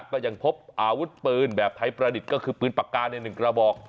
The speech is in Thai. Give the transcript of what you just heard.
ก็ยังพบอาวุธปืนแบบไทยประดิษฐ์ก็คือปืนปากกาใน๑กระบอก